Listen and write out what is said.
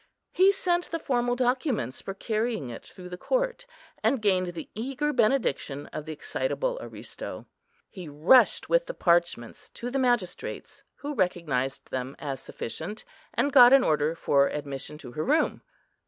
He sent the formal documents for carrying it through the court, and gained the eager benediction of the excitable Aristo. He rushed with the parchments to the magistrates, who recognised them as sufficient, and got an order for admission to her room.